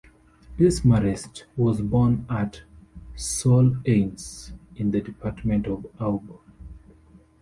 Desmarest was born at Soulaines, in the department of Aube.